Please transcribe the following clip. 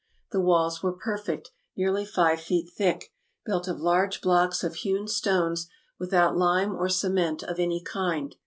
The walls were perfect, nearly five feet thick, built of large blocks of hewn stones, without lime or cement of any kind.